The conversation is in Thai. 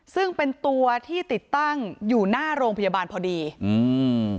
ซึ่งเป็นตัวที่ติดตั้งอยู่หน้าโรงพยาบาลพอดีอืม